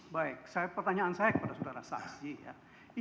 baik pertanyaan saya kepada saudara saksi ya